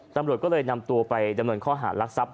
ตำรวจก็เลยนำตัวไปดำเนินข้อหารักทรัพย